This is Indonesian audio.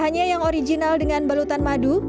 hanya yang original dengan balutan madu